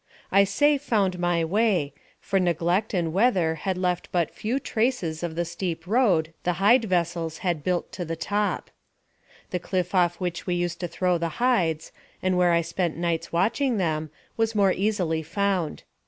I say found my way, for neglect and weather had left but few traces of the steep road the hide vessels had built to the top. The cliff off which we used to throw the hides, and where I spent nights watching them, was more easily found.